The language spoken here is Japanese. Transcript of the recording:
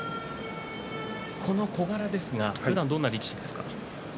この小柄ですがふだんはどんな力士ですか？